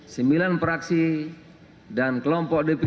sembilan praksi dan kelompok dpp